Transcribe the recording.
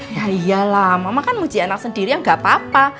ya iyalah mama kan muji anak sendiri yang gak apa apa